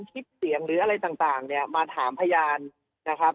คลิปเสียงหรืออะไรต่างเนี่ยมาถามพยานนะครับ